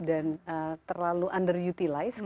dan terlalu underutilized